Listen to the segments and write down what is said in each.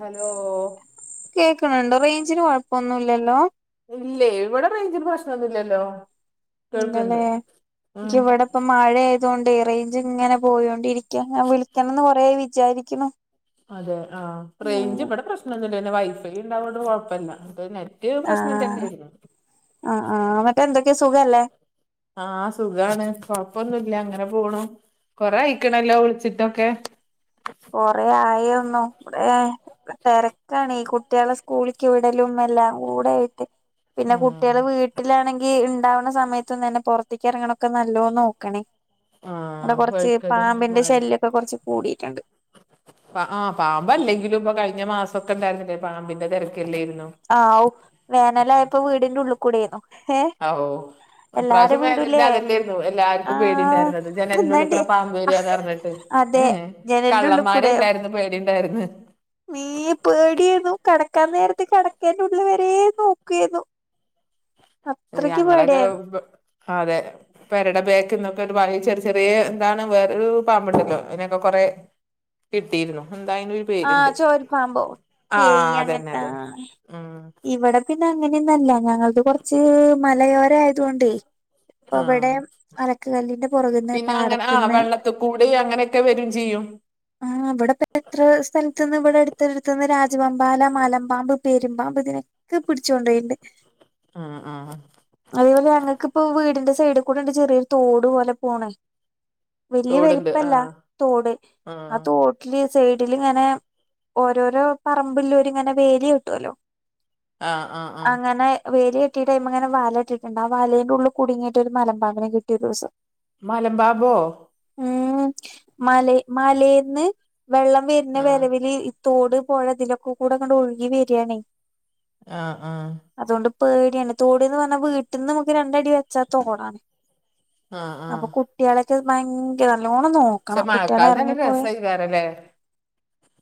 Hello കേക്കണ്ണ്ടോ റേഞ്ചിന് കൊഴപ്പൊന്നുല്ലല്ലോ ഇല്ല്യേ ഇവിടെ റേഞ്ചിന് പ്രശ്നൊന്നുല്ലല്ലോ കേൾക്ക്ണ്ട് എന്താണ് ഉം ഇൻക്ക് ഇവടെ ഇപ്പൊ മഴ ആയതൊണ്ടെ റേഞ്ച് ഇങ്ങനെ പോയോണ്ടിരിക്ക ഞാൻ വിളിക്കണന്ന് കൊറേ ആയി വിചാരിക്ക്ണു അതെ ആ റേഹ് ഞ്ച് ഇവടെ പ്രശ്നൊന്നില്ല പിന്നെ വൈഫൈ ഇണ്ടാവോണ്ട് കൊഴപ്പല്ല ഇന്റെ നെ ആഹ് ആഹ് ആഹ് ഇന്നെട്ട് എന്തൊക്കെ സുഖല്ലേ ആഹ് സുഖാണ് കൊഴപ്പൊന്നുല്ല ഇങ്ങനെ പോണു കൊറെ അയിക്ക്ണല്ലോ വിളിച്ചിട്ടൊക്കെ കൊറേ ആയെന്നൊ ഇവടെ തെരക്കാണ് ഈ കുട്ട്യേളെ സ്കൂളിക്ക് വിടലും എല്ലാം കൂടായിട്ട് പിന്നെ കുട്ട്യേള് വീട്ടിലാണെ ങ്കി ഇണ്ടാവ്ന്ന സമയത്തും തന്നെ പൊറത്ത്ക്ക് എറ്ങ്ങണൊക്കെ നല്ലോം നോക്കണേ ഇവടെ ആഹ് കൊറച്ച് വഴുക്കലും പാമ്പിന്റെ മഴ ശല്യോക്കെ കൊറച്ച് കൂടീട്ട്ണ്ട് പാ ആഹ് പാമ്പല്ലെങ്കിലും ഇപ്പൊ കയിഞ്ഞ മാസൊക്കെ ഇണ്ടായിരുന്നില്ലേ പാമ്പിന്റെ തെരക്കല്ലേര്ന്നോ ആവു വേനലായപ്പോ വീടിന്റെ ഉള്ള് കൂടെന്നു അ ഓഹ് ഇപ്രാവശ്യം വേനലില് വീടൂലേ അതെന്നെരുന്നു ആ എല്ലാർക്കും പേടിണ്ടായിര്ന്നത് ജനല്ന്റെ എന്നാണ്ടി ഉള്ളിക്കൂടെ പാമ്പേരാണെന്നറഞ്ഞിട്ട് അതെ ഏഹ് ജനലിന്റെ ഉള്ളിൽ കള്ളന്മാരെ എല്ലായിരുന്നോ പേടിണ്ടായിര്ന്ന് മ്മേ പേടിയേന്നു കെടക്കാൻ നേരത്ത് കെടക്കേന്റുള്ള് വരെ നോക്കെന്നു ഞങ്ങളൊക്കെ പെ അതെ പെരടെ ബേക്ക്ന്നൊക്കെ ഒര് പഴേ ചെ ചെറ്യേ എന്താണ് വേറൊരു പാമ്പ്ണ്ടല്ലോ അയിനെക്കെ കൊറെ കിട്ടിയിരുന്നു എന്തായിനൊരു ആഹ് ചോര്പ്പാമ്പോ തേയ് അതന്നെ അങ്ങനത്താ അതന്നെ ഉം ഇവടെ പിന്ന അങ്ങനെയൊന്നല്ല ഞങ്ങളത് കൊറച്ച് മലയോരായത് കൊണ്ടേ ഇപ്പൊ ആഹ് ഇവടെ അലക്ക് കല്ലിന്റെ പൊറക്ന്ന് പാടത്ത്ന്ന് ക്കെകൂടി അങ്ങനെക്കെ വരും ചെയ്യും ആഹ് ഇവടെ പേ എത്ര സ്ഥലത്ത്ന്ന് ഇവടെ എട്ത്ത്ട്ത്ത്ന്ന് രാജവമ്പാല മലമ്പാമ്പ് പേരുമ്പാമ്പ് ഇതിനെ ക്കെ പിടിച്ച്ണ്ടോയിണ്ട് ആഹ് ആഹ് അതേപോലെ ഞങ്ങക്കിപ്പോ വീടിന്റെ സൈഡിൽ കൂടെണ്ട് ചെറിയൊരു തോട് പോലെ പോണേ വല്യ തോടുണ്ട് വലിപ്പല്ല ആഹ് തോട് ആഹ് തോട് തോട്ടില് സൈഡിൽ ഇങ്ങനെ ഓരോരോ പറമ്പില്ലോര് ഇങ്ങനെ വേലി കെട്ടോലൊ ആഹ് ആഹ് ആഹ് അങ്ങനെ വേലി കെട്ടിയിട്ട് അയ്മെങ്ങനെ വലട്ടിണ്ട് ആഹ് വലെന്റെ ഉള്ള് കുടുങ്ങിട്ട് ഒരു മലമ്പാമ്പിനെ കിട്ടി ഒരീസം മലമ്പാമ്പോ ഉം മല മലേന്ന് വെള്ളം വരുന്ന ആഹ് വെരവില് തോട് പോയ അതിലൊക്കെ കൂടെങ്ങണ്ട് ഒഴുകി വരിയാണേ ആഹ് ആഹ് അതുകൊണ്ട് പേടിയാണ് തോടന്ന് പറഞ്ഞാ വീട്ടിന്ന് നമുക്ക് രണ്ടടി വെച്ചാത്തോടാണ് ആഹ് അപ്പൊ ആഹ് കുട്ടികളക്ക് ഭയങ്കര നല്ലോണം നോക്കണം കുട്ടികളെ ഇറങ്ങിപ്പോയ ല്ലേ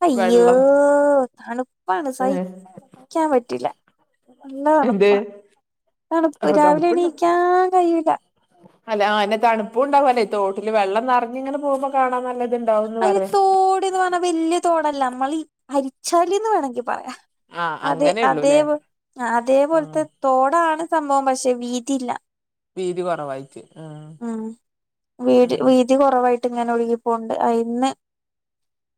അയ്യോ തണു പ്പാണ് ഏഹ് സഹിക്കാൻ പറ്റില്ല എന്ത് നല്ലതാണുപ്പാ തണുപ്പ് അപ്പൊ രാവിലെ തണുപ്പുണ്ടാവും എണീക്കാൻ കഴിയൂല്ല അല്ല ആഹ് എന്നെ തണുപ്പുണ്ടാവുല്ലേ തോട്ടില് വെള്ളം നിറഞ്ഞിങ്ങനെ പോകുമ്പോ കാണാൻ നല്ലതിണ്ട് അതിന് തോടന്ന് പറഞ്ഞ വല്യ തോടല്ല നമ്മൾ ഈ അരിച്ചാലിന്ന് വേണമെങ്കിൽ പറയാം ആഹ് അതെ അതേ അങ്ങനെയുള്ളൂല്ലേ ഉം അതേപോലത്തെ തോടാണ് സംഭവം പശേ വീതില്ല വീതി കുറവായിറ്റ് ഉം വീട് ഉം വീതി കുറവായിട്ട് ഇങ്ങനെ ഒഴുകിപ്പോ അയിന്ന്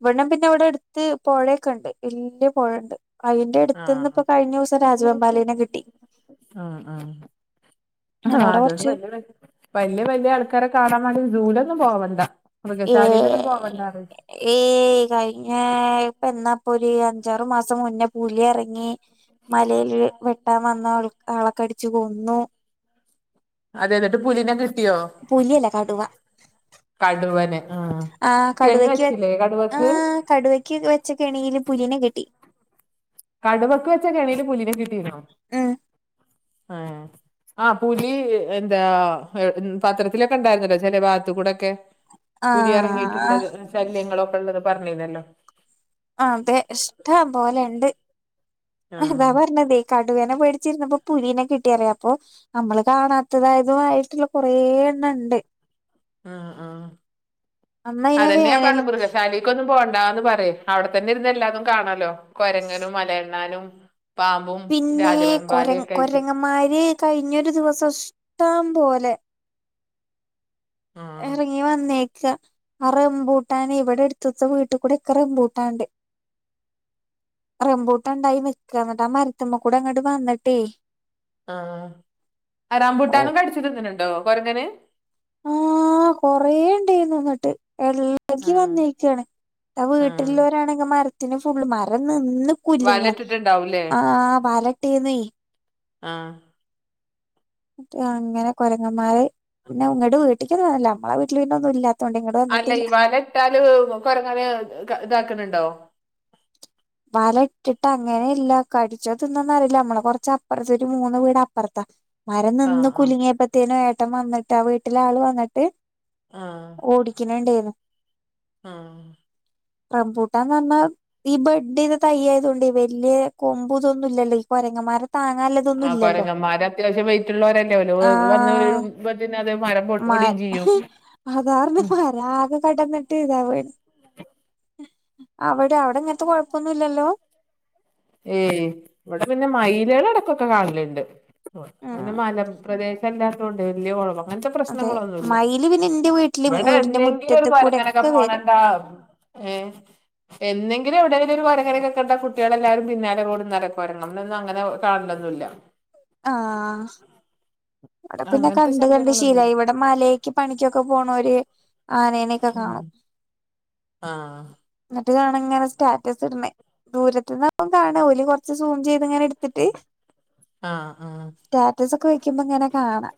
ഇവിണം പിന്നെ ഇവിടെ എടുത്ത് പൊഴയൊക്കെ ഉണ്ട് വല്യ പൊഴണ്ട് അയിന്റെ അടുത്തിന്ന് ആഹ് ഇപ്പോ കഴിഞ്ഞ ദിവസം രാജവെമ്പാലേനെ കിട്ടി ആഹ് ആഹ് ആഹ് ഞനോടെ അത് കുറച്ച് വലിയ വലിയ ആൾക്കാരെ കാണാൻ വേണ്ട സൂലൊന്നും പോവണ്ട ഏ മൃഗശാലയിലൊന്നും പോവണ്ട ഏയ് കഴിഞ്ഞ ഇപ്പ എന്നാപ്പൊ ഒരു അഞ്ചാറു മാസം മുന്നേ പുലി ഇറങ്ങി മലയിൽ വെട്ടാൻ വന്നാളെ കടിച്ചു കൊന്നു അതടുത്ത് പുലിനെ കിട്ടിയോ പുലി അല്ല കടുവാ കടുവന് ആഹ് കെണി വച്ചില്ലേ കടുവക്ക് കടുവയ്ക്ക് വെച്ച കെണില് പുലീനെ കിട്ടി കടുവക്ക് വെച്ചാ കെണില് പുലിനെ കിട്ടീനോ ഉം ആഹ് ആഹ് പുലി എന്താ പത്രത്തിലൊക്കെ ഉണ്ടായിരുന്നല്ലോ ചെല ഭാഗത്ത കൂടെക്കെ ആ പുലി ഇറങ്ങിയിട്ടുള്ളത് ശല്യങ്ങളൊക്കെ ഇള്ളത് പറഞ്ഞി ന്നില്ലോ ആഹ് അതെ ഇഷ്ടാ പോലെണ്ട് ആ അതാ പറഞ്ഞതെ കടുവേനെ പേടിച്ചിരുന്നപ്പോ പുലീനെ കിട്ടിയെനെപ്പൊ നമ്മള് കാണാത്തതായതുയിട്ടുള്ള കൊറേ എണ്ണണ്ട് ഉം ഉം അന്നയിനെ അതെന്നെ വേനൽ പറണെ മൃഗ ശാലയും കൊന്നും പോണ്ടാന്ന് പറയ് അവിടെത്തന്നെ ഇരുന്ന എല്ലാതും കാണല്ലോ കൊരങ്ങനും മലയെണ്ണാനും പാമ്പും രാജവെമ്പാലയക്കായിട്ട് മാര് കഴിഞ്ഞൊരു ദിവസം ഇഷ്ടം പോലെ ആ ഇറങ്ങി വന്നേക്കുവ ആഹ് റമ്പൂട്ടാൻ ഇവിടെ എടുത്തുത്ത വീട്ടി കൂടെ ഒക്കെറമ്പൂട്ടാണ്ട് റംമ്പൂട്ടുണ്ടായി നിൽക്കാണ് എന്നിട്ട് ആഹ് മരുത്തമ്മകൂടെ അങ്ങോട്ട് വന്നിട്ടേ ആഹ് കൊറേ റമ്പൂട്ടാനും കടിച്ചിത്തിനുണ്ടോ കൊരങ്ങന് ആഹ് കൊറേ ഉണ്ടായിന്നിട്ട് എല്ലാ പകി ആ വന്നിരിക്കയാണ് ആഹ് വീട്ടിലുള്ളവരാണെങ്കി മരത്തിന് ഫുള്ള് മരം നിന്ന് കുല്ലിങ്ങ വലട്ടിട്ടുണ്ടാവൂലേ ആഹ് വാലട്ടായ്ര്ന്നെ ആഹ് അങ്ങനെ കൊരങ്ങന്മാര് പിന്നെങ്ങടെ വീട്ടേക്കൊന്നുല്ലി നമ്മളെ വീട്ടിൽ വീണ്ടൊന്നും ഇല്ലാത്തൊണ്ട് ഇ അല്ല ഈ വല ഇട്ടാല് കൊരങ്ങനെ ഇതാക്കുന്നുണ്ടോ വല ഇട്ടിട്ട് അങ്ങനെ ഇല്ല കടിച്ചോ തിന്നോന്നറിയില്ല നമ്മള് കൊറച്ചപ്പറത്ത് ഒരു മൂന്ന് വീട അപ്പുറത്താ മരം ആഹ് നിന്ന് ആഹ് കുലുങ്ങിയപ്പത്തേനും ഏട്ടൻ വന്നിട്ട് ആ വീട്ടിലെ ആള് വന്നിട്ട് ആഹ് ഓടിക്കണണ്ടേന്ന് ആഹ് റംമ്പൂട്ടാന്ന് പറ്ഞ്ഞാൽ ഈ ബ ന്റത് തയ്യായതൊണ്ട് വല്യേ കൊമ്പുതൊന്നും ഇല്ലല്ലോ ഈ കൊരങ്ങമാരെ താങ്ങാല്ലേ ആഹ് കൊരങ്ങമാര് അത്യാവശ്യം വെയ്റ്റ്ള്ളോരന്നെ ല് വന്നു ആഹ് വീഴുമ്പം [unintelligible] കടന്നിട്ട് ഇതാ പോണ് അവ്ടെ അവ്ടെങ്ങൻത്തെ കൊഴപ്പൊന്നുംല്ലല്ലോ ഏയ് വെടെ പിന്നെ മയില്കൾ എടക്കോക്കെ കാണല്ണ്ട് ഉം അങ്ങനെ മലപ്രദേശ ശ അല്ലാത്തോണ്ടേ വല്യ ബഹളം ങ്ങൻത്തെ അതെ പ്രശ്നങ്ങളൊന്നുല്ല മയില് പിന്നെ എന്റെ വീട്ടില് വെടെ വീടിന്റെ എന്നെങ്കിലും ഒരു മുറ്റത്ത് കൂടെ കൊര്ങ്ങനൊക്കെ ഒക്കെ വരും പോണണ്ട ഏ എന്നെങ്കിലും വ്ടെരു കൊരങേനെ ക്കെകണ്ടാ കുട്ടികള ല്ലാരും പിന്നാലെ കൂടെ നടക്കും കൊരങ്ങൊന്നും അങ്ങനെ കാണലൊന്നുംല്ല ആഹ് അടെ പിന്നെ അങ്ങനത്തെ കണ്ട് കണ്ട് ശല്യങ്ങളൊന്നുല്ല ശീലായി ഇവിടെ മലെക്ക് പണിക്കൊക്കെ പോണോര് ആനേനെക്കെ ഉം കാണും ആഹ് ന്നിട്ട് കാണ ങ്ങനെ സ്റ്റാറ്റസ് ട്നെ ദൂരത്തിന്നാവും കാണ ഓല് കൊറ്ച്ച് സൂം ചെയ്ത് ങ്ങനെ ഇട്ത്തിട്ട് ആഹ് ആഹ് സ്റ്റാറ്റസൊ ക്കെ വയ്ക്കുമ്പോ ങ്ങനെ കാണാ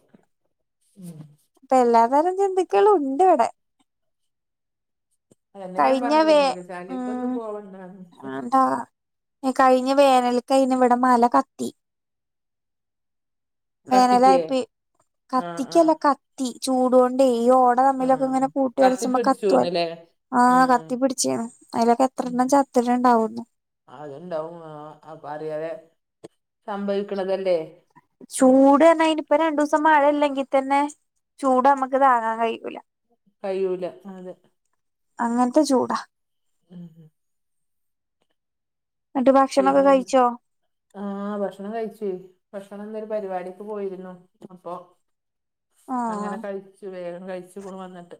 മ് എല്ലാ തരം ജെന്ത്ക്കളും ഉണ്ട് ഇവിടെ അതെന്നെ ഞാൻ കഴിഞ്ഞ പറഞ്ഞത് വേ മൃഗശാലിക്കോന്നും ഉം പോവണ്ടാന്ന് എന്താ കഴിഞ്ഞ വേനൽക്ക്‌ അയ്നിവ്ടെ മല കത്തി കത്തിക്കേ വേനലായെപ്പെ ആഹ് ആഹ് കത്തിക്കല്ല ക ത്തി ചൂടൊണ്ടേ ഈ ഓട തമ്മിലൊക്കെ ആഹ് ങ്ങനെ കൂട്ടി ഒരസുമ്പ കത്തു കത്തിപ്പിടിച്ചുന്ന്ല്ലേ ആഹ് ഉം കത്തിപ്പിട്ച്ചാണ് അയ്ലൊക്കെ ഉം എത്രെണ്ണം ചത്ത്ട്ട്ണ്ടാവുന്നു അത്ണ്ടാവും ങാ അപ്പ അറിയാതെ സംഭവിക്ണതല്ലേ ചൂട് തന്നെ ഐനിയിപ്പ രണ്ടു സം മഴ ഇല്ലെങ്കിൽ തന്നെ ചൂട് നമ്മക്ക് താങ്ങാൻ കഴിയൂല കഴൂല അതെ അങ്ങൻത്തെ ചൂടാ ഉം എന്നിട്ട് ഭക്ഷണൊക്കെ പിന്നെ കഴിച്ചോ ആഹ് ഭക്ഷണം കഴ്ച്ചുയ് ഭക്ഷണം ന്നൊരു പരിപാടിക്ക് പോയിരുന്നു അപ്പൊ ആഹ് അങ്ങനെ കഴിച്ചു വേഗം കഴിച്ചു ക്ണ് വന്നിട്ട്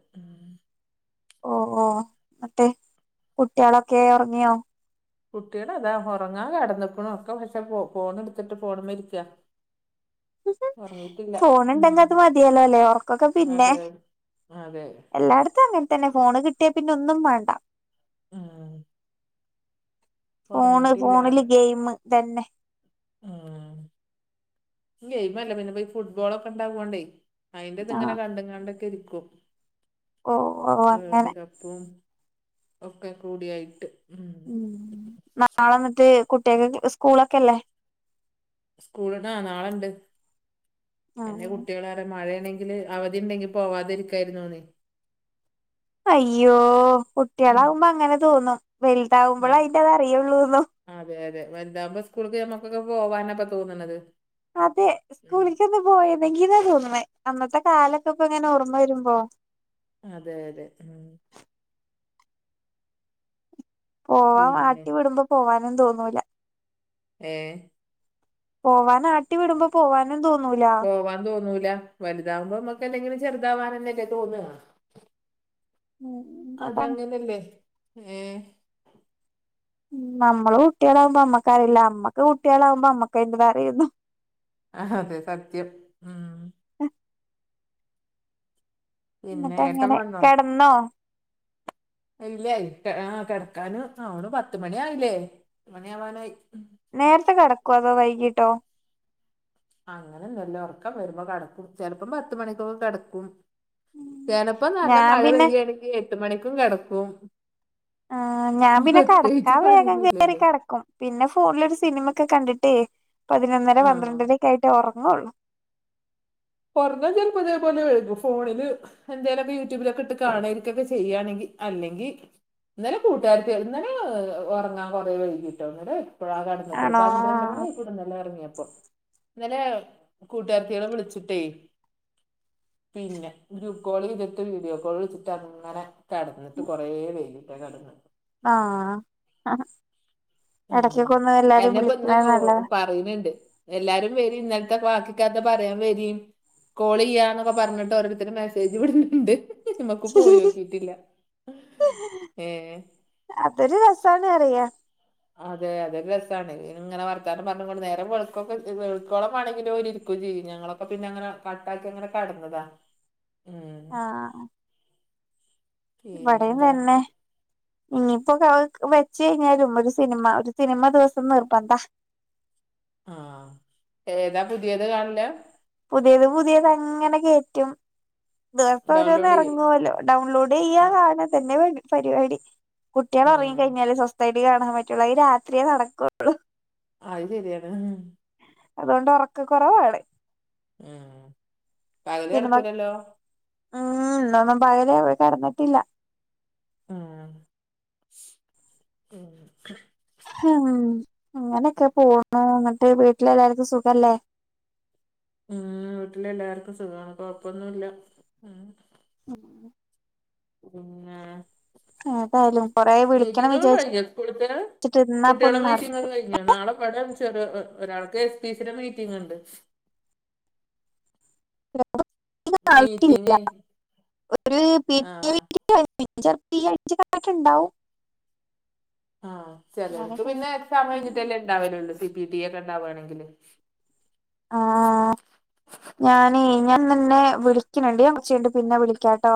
ഓ ഓ അത്തെ കുട്ടിയാളൊക്കെ ഒറ്ങ്ങിയോ കുട്ടികള താ ഒറ്ങ്ങാൻ കടന്ന്ക്ക്‌ണു ഒക്കെ പക്ഷെ ഫോണ് ട്ത്തിട്ട് ഫോണ് മ്മേര്ക്കാ ഫോണ് ഉം ണ്ടെങ്കി അത് മതിയലോല്ലെ ഒർക്കൊക്കെ പിന്നെ അതെ അതെ എല്ലായിടത്തും അങ്ങനെ തന്നെ ഫോണ് കിട്ടിയാ പിന്നെ ഒന്നും വേണ്ട ഉം ഫോണ് ഉറങ്ങിയിട്ടില്ല ഫോണില് പറയ ഗെയിമ് തന്നെ ഉം ഗെയിമല്ലേ പിന്നെ ഈ ഫുട്ബോളോക്കെ ഇണ്ടാവോണ്ടേ അയിന്റെറ ത് ങ്ങനെ ആഹ് കണ്ട്കാണ്ടൊക്കെ രിക്കും ഓ ഓ വേൾഡ് അങ്ങനെ കപ്പും ഒക്കെ കൂടിയായിട്ട് ഉം ഉം നാളെന്നിട്ട് കുട്ടാകൊക്കെ സ്കൂളൊക്കെല്ലേ സ്കൂള് ആഹ് നാളണ്ട് എന്നെ ആഹ് കുട്ടികള മഴണെങ്ക ങ്കില് അവധി ണ്ടെങ്കി പോവാതിരിക്കായിരുന്നുന് അയ്യോ ഉം കുട്ടികളാവുമ്പോ അങ്ങനെ തോന്നും അ- വലുതാവുമ്പളാ അയ്റ്റ അത് അറിയുള്ളൂ അതെ അതെ വൽതാകുമ്പോ സ്കൂള്ക്ക് നമ്മക്കൊക്കെ പോവാനൊക്കെ തോന്ന്ണത് അതെ സ്കൂള്ക്കൊക്കെ പോയതെങ്കിന്നാ തോന്ന്ണേ അന്നത്തെ കാലൊക്കെ പ്പ ങ്ങനെ ഓർമ്മ രുമ്പോ അതെ അതെ ഉം പോവാ പിന്നെ ആട്ടി വിടുമ്പോ പോവാനും തോന്നൂല ഏ പോവാനാട്ടി വിടുമ്പോ പോവാനും തോന്നൂല പോവാൻ തോന്നൂല വലുമ്പോന്നൊക്കെ ഇങ്ങനെ എന്തെങ്കിലും ചെറുതാവാൻന്നല്ലേ തോന്നുക ഉം അതാണ് അതങ്ങനല്ലേ ഏഹ് നമ്മളു കുട്ടികളാവുമ്പോ അമ്മക്കറിയില്ല അമ്മക്ക് കുട്ടികളാവുമ്പോ അമ്മക്കന്റെറിയുന്നു ആഹ് അതെ സത്യം ഉം പിന്നെ ഏട്ടൻ എന്നിട്ടങ്ങനെ വന്നോ കെടന്നോ ഇല്ല ഇരുട്ടെ ആ ഹ് കെടക്കാനും ആഹ് പത്തുമണിയായില്ലേ പത്ത് മണി ആവാനായി നേരത്തെ കെടക്കുവോ അതോ വൈകീട്ടോ അങ്ങനൊന്നൂല്ല ഒറക്കം വരുമ്പം കെടക്കും ചെലപ്പം പത്തു മണിക്കൊക്കെ കെടക്കും ഉം. ചിലപ്പം നല്ല ഞാൻ മഴ പിന്നെ പെയ്യാണെങ്കി എട്ടു മണിക്കും കെടക്കും ഏഹ് ഞാൻ പിന്നെ കിടക്കാ പ്രത്യേകിച്ച് വേഗം കേറി പണിയൊന്നുല്ലല്ലോ കെടക്കും പിന്നെ ഫോണിലൊരു സിനിമൊക്കെ കണ്ടിട്ടേ പതിനൊന്നര ആഹ് പന്ത്രണ്ടരൊക്കെ ആയിട്ടേ ഒറങ്ങുള്ളൂ പറഞ്ഞാ ചെലപ്പം ഇതേപോലെ ഴുതും ഫോണിലെ എന്തേലൊക്കെ യൂട്യൂബിലൊക്കെ ഇട്ട് കാണരിക്കൊക്കെ ചെയ്യാണെങ്കി അല്ലെങ്കി ഇന്നലെ കൂട്ടുകാരത്തികളെ ഇന്നലേ ഏഹ് ഒറങ്ങാൻ കൊറേ വൈകീട്ടോ ആധാമത്തിനൊത്തൊരു ആണോ പന്ത്രണ്ട് മണീ കൂടി ഇന്നലെ ഉറങ്ങിയപ്പം ഇന്നലേ കൂട്ടുകാരിത്തിക ളെ വിളിച്ചു ഇട്ടേ പിന്നെ ഗ്രൂപ്പ് കോൾ ചെയ്തിട്ടു വീഡിയോ കോൾ ചെയ്തിട്ടങ്ങനെ തെടന്നിട്ട് കൊറേ വൈകിട്ടാ കെടന്നെ ആഹ് എടയ്ക്കൊക്കെ ഒന്ന് എല്ലാരേം വിളിക്കണ നല്ലതെ വരിനുണ്ടെ എല്ലാരും വരീൻ ഇന്നലത്തെ ബാക്കിക്കഥ പറയാൻ വരീൻ കോളു യ്യാന്നൊക്കെ പറഞ്ഞിട്ടെ ഓരോരുത്തരു മെസ്സേജ് വിടുന്നുണ്ട് മ്മക്ക് പോയേക്കിട്ടിട്ടില്ല ഏഹ് അതൊരു രസാന്നു പറയുക അതെ അതെ രസാണ് ഇങ്ങനെ വർത്താനം പറഞ്ഞുംകൊണ്ട് നേരം വെളുക്കൊക്കം വെളുക്കോളം വേണെങ്കിലും അവരിരിക്കും കുലീ ഞങ്ങളൊക്കെ പിന്നെങ്ങനെ കട്ടാക്കി അങ്ങനെ കെടന്നതാ ഉം ആഹ് ഇവിടെയും പിന്നെന്താ തന്നെ ഇനിയിപ്പ കോൾ വെച്ചു കഴിഞ്ഞാലും ഒരു സിനിമ ഒരു സിനിമ ദിവസം നിർബന്താ ആഹ് ഏതാ പുതിയത് കാണിലെ പുതിയത് പുതിയതങ്ങനെ കേറ്റും ദിവസോരോന്ന് ഡൗൺലോഡ് ചെയ്യും ഇറങ്ങുവല്ലോ ഡൗൺലോഡു ചെയ്യാ ആ കാണതന്നെ പ പരിപാടി ആ കുട്ടികളൊറങ്ങി കഴിഞ്ഞാലേ സ്വസ്ഥായിട്ട് കാണാൻ പറ്റൂള്ളു അയി രാത്രിയേ നടക്കുവൊള്ളൂ അയി ശരിയാണ് ഉം അതോണ്ട് ഒറക്ക കുറവാണ് ഏഹ് പകലു സിനിമ കടക്കൂല്ലല്ലോ ഉം ഇന്നൊന്നും പകലെ കെടന്നിട്ടില്ല ഉം ഉം ഉം ഇങ്ങനൊക്കെ പോന്നു എന്നിട്ടെ വീട്ടിലെല്ലാർക്കും സുഖല്ലേ ഉം വീട്ടിലെല്ലാർക്കും സുഖാണ് കൊയപ്പൊന്നുല്ല ഉം ഉം പിന്നെ ഏതായാലും കൊറെ വിളിക്കണം മീറ്റിങ്ങുകളെ വിചാരിച്ചിട്ട് കഴിഞ്ഞോ സ്കൂൾത്തെ ഇരുന്നാപ്പൊ കുട്ട്യളെ ഒന്നും നട മീറ്റിങ്ങൊക്കെ കയിഞ്ഞോ ഇനി നാളെ കടംചെ ഒരാൾക്ക് എസ് പി സി ടെ മീറ്റിങ്ങുണ്ടെ മീറ്റിംഗ് ആവശ്യല്ല ഒരു പി ആഹ് [unintelligible] [unintelligible] ചെൽപ്പ [unintelligible] ഉണ്ടാവും ആഹ് ചെലർക്കു അങ്ങനൊക്കെയാണ് പിന്നെ എക്സാം കഴിഞ്ഞിട്ടല്ലേ ഇണ്ടാവലുള്ളൂ സി പി ടി എ ഇണ്ടാവാണെങ്കില് ആഹ് ഞാനെ ഞാൻ ന്നാ ഇന്നെ വിളിക്ണുണ്ട്. ഞാൻ കൊർച്ചയിഞ് ട്ട് പിന്നെ വിളിക്കാട്ടോ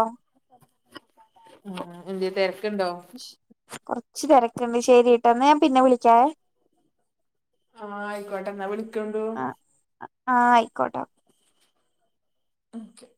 ആഹ് എന്തേ തെരക്ണ്ടോ? കൊറച്ച് തെരക്കുണ്ട് ശരി ട്ടോ എന്നാ ഞാൻ പിന്നെ വിളിക്കാവേ ആഹ് ആയിക്കോട്ടെ ന്നാ വിളിക്കണ്ടു. ആഹ് ആഹ് അയിക്കോട്ടാ [inaudible]